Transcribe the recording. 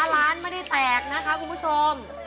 ร้านไม่ได้แตกนะคะคุณผู้ชม